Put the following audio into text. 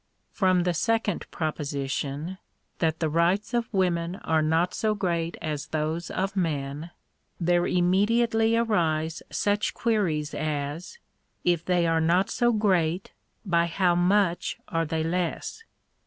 From the second proposition, that the rights of women are not so great as those of men, there immediately arise such queries as — If they are not so great, by how much are they less